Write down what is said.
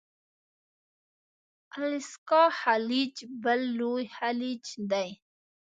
الاسکا خلیج بل لوی خلیج دی.